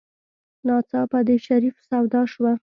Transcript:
ناڅاپه د شريف سودا شوه.